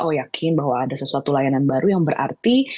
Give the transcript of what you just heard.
yakin bahwa ada sesuatu layanan baru yang berarti